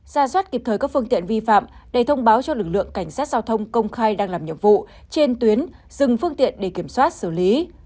ra soát kịp thời các phương tiện vi phạm để thông báo cho lực lượng cảnh sát giao thông công khai đang làm nhiệm vụ trên tuyến dừng phương tiện để kiểm soát xử lý